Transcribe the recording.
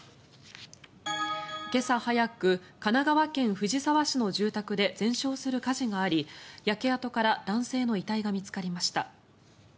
今朝早く神奈川県藤沢市の住宅で全焼する火事があり焼け跡から男性の遺体が見つかりました。